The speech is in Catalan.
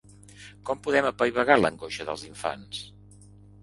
Com podem apaivagar l’angoixa dels infants?